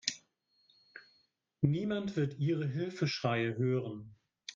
Niemand wird Ihre Hilfeschreie hören.